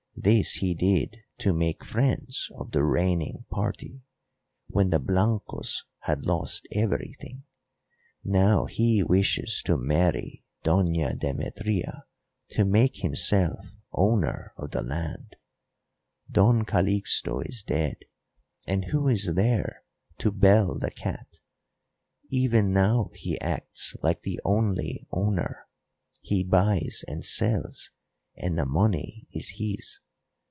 This he did to make friends of the reigning party, when the Blancos had lost everything. Now he wishes to marry Doña Demetria to make himself owner of the land. Don Calixto is dead, and who is there to bell the cat? Even now he acts like the only owner; he buys and sells and the money is his.